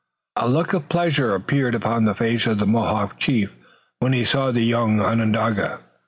A look of pleasure appeared upon the face of the Mohawk chief when he saw the young Onondaga.